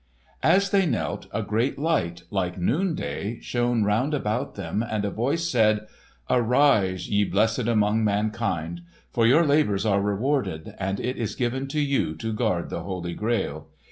As they knelt a great light, like noonday, shone round about them, and a voice said, "Arise, ye blessed among mankind! For your labours are rewarded and it is given to you to guard the Holy Grail.